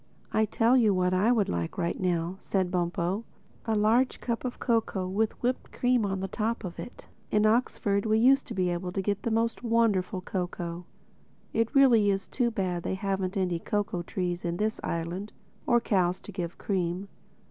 "I tell you what I would like now," said Bumpo: "a large cup of cocoa with whipped cream on the top of it. In Oxford we used to be able to get the most wonderful cocoa. It is really too bad they haven't any cocoa trees in this island, or cows to give cream."